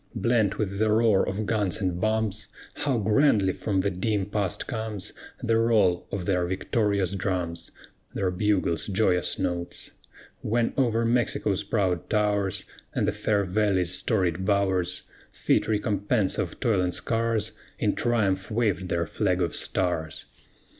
Blent with the roar of guns and bombs, How grandly from the dim past comes The roll of their victorious drums, Their bugle's joyous notes, When over Mexico's proud towers, And the fair valley's storied bowers, Fit recompense of toil and scars, In triumph waved their flag of stars.